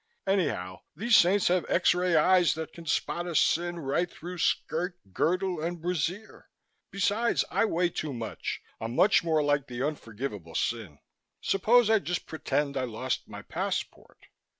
Anyhow, these saints have X ray eyes that can spot a sin right through skirt, girdle and brassiere. Besides, I weigh too much. I'm much more like the unforgivable sin. Suppose I just pretend I lost my passport."